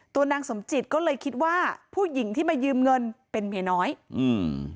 นางสมจิตก็เลยคิดว่าผู้หญิงที่มายืมเงินเป็นเมียน้อยอืม